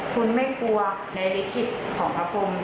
คุณไม่กลัวในลิขิตของพระพรม